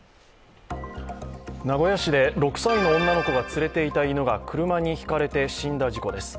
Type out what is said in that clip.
名古屋市で６歳の女の子が連れていた犬が車にひかれて死んだ事故です。